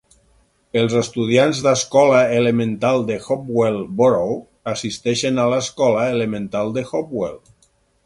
Els estudiants d'escola elemental de Hopewell Borough assisteixen a L'Escola Elemental de Hopewell.